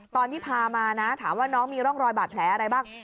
ตอนที่พามาถามว่าน้องก็มีร่องรอยบาดแผลอะไรหรือเปล่า